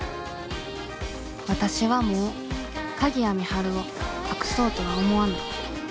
わたしはもう鍵谷美晴を隠そうとは思わない。